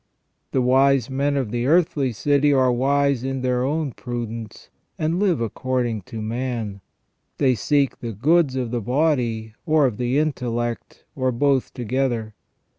The wise men of the earthly city are wise in their own prudence, and live according to man ; they seek the goods of the body, or of the intellect, or both together.